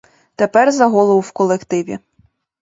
Тепер за голову в колективі.